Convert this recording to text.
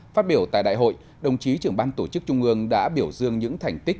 phát biểu tại đại hội đồng chí trưởng ban tổ chức trung ương đã biểu dương những thành tích